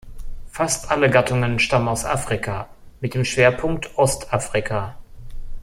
Fast alle Gattungen stammen aus Afrika, mit dem Schwerpunkt Ostafrika.